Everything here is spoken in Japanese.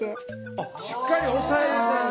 あっしっかり押さえる感じ。